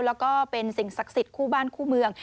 แล้วก็เป็นสิ่งศักดิ์สิทธิ์คู่บ้านคู่เมือง